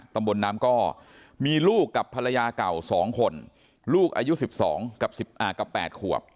ตำบนน้ำก็มีลูกกับภรรยาเก่าสองคนลูกอายุสิบสองกับสิบอ่ากับแปดขวบ